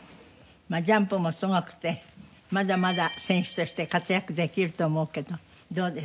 ジャンプもすごくてまだまだ選手として活躍できると思うけどどうです？